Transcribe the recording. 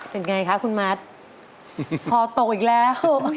เป็นไงคะคุณมัดคอตกอีกแล้ว